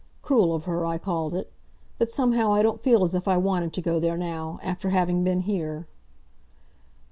Cruel of her, I called it. But somehow I don't feel as if I wanted to go there now, after having been here!"